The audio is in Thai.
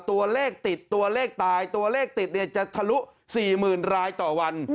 ตัวเลขติดตัวเลขตายตัวเลขติดจะทะลุ๔๐๐๐รายต่อวัน